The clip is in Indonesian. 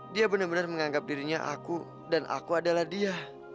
dia benar benar menganggap dirinya aku dan aku adalah dia